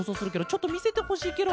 ちょっとみせてほしいケロ。